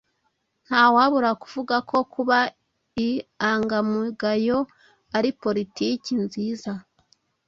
Ntawabura kuvuga ko kuba iangamugayo ari politiki nziza.